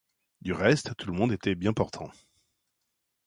Du reste, tout le monde était bien portant.